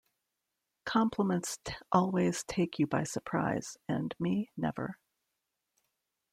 Compliments always take you by surprise, and me never.